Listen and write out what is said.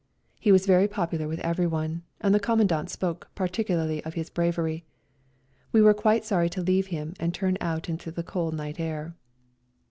He was very popular with everyone, and the Commandant spoke particularly of his bravery. We were quite sorry to leave and turn out into the cold night air.